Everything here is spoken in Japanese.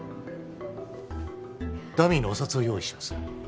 ダミーのお札を用意します